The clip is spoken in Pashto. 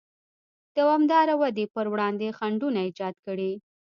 دوامداره ودې پر وړاندې خنډونه ایجاد کړي.